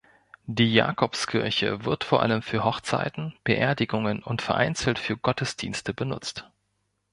Die Jakobskirche wird vor allem für Hochzeiten, Beerdigungen und vereinzelt für Gottesdienste benutzt.